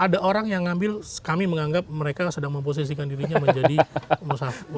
ada orang yang ngambil kami menganggap mereka sedang memposisikan dirinya menjadi pengusaha